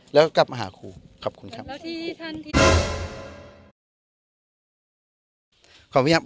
แล้วก็กลับมาหาครูขอบคุณครับ